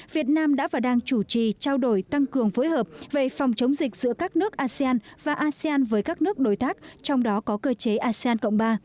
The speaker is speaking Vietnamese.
việt nam đã và đang chủ trì trao đổi tăng cường phối hợp về phòng chống dịch giữa các nước asean và asean với các nước đối tác trong đó có cơ chế asean cộng ba